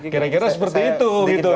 kira kira seperti itu